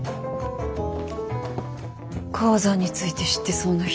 鉱山について知ってそうな人。